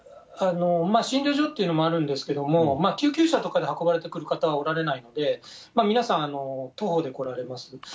診療所というのもあるんですけども、救急車とかで運ばれてくる方はおられないので、皆さん、徒歩で来られます。